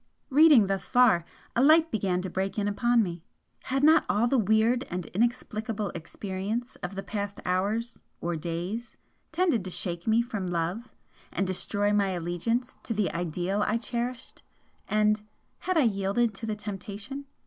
Reading thus far, a light began to break in upon me. Had not all the weird and inexplicable experience of the past hours (or days) tended to shake me from Love and destroy my allegiance to the ideal I cherished? And had I yielded to the temptation?